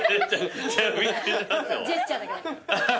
ジェスチャーだから。